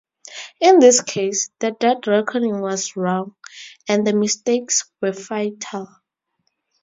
In this case, the dead reckoning was wrong, and the mistakes were fatal.